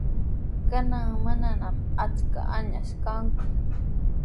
Kanan mananami achka añas kanku.